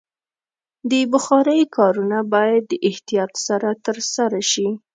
د بخارۍ کارونه باید د احتیاط سره ترسره شي.